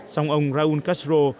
song ông raúl castro